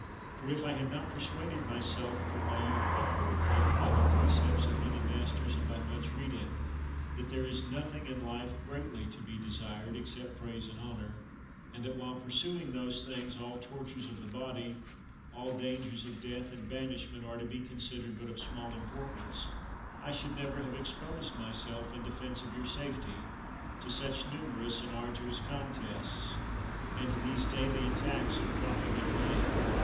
For if I had not persuaded myself from my youth upward, both by the precepts of many masters and by much reading, that there is nothing in life greatly to be desired, except praise and honor, and that while pursuing those things all tortures of the body, all dangers of death and banish ment are to be considered but of small impor tance, I should never have exposed myself, in defense of your safety, to such numerous and arduous contests, and to these daily attacks of profligate men.